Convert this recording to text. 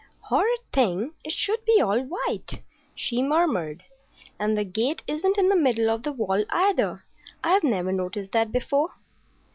"Horrid thing! It should be all white," she murmured. "And the gate isn't in the middle of the wall, either. I never noticed that before."